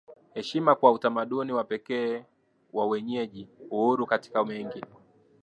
heshima kwa utamaduni wa pekee wa wenyeji Uhuru katika mengi